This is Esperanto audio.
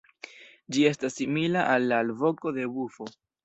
Ĝi estas simila al la alvoko de bufo.